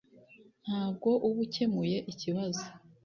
Ntabwo uba ukemuye ikibazo